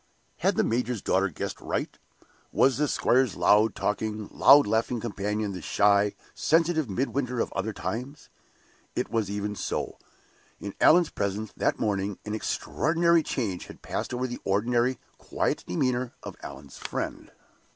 Had the major's daughter guessed right? Was the squire's loud talking, loud laughing companion the shy, sensitive Midwinter of other times? It was even so. In Allan's presence, that morning, an extraordinary change had passed over the ordinarily quiet demeanor of Allan's friend.